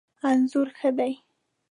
انځور ښه دی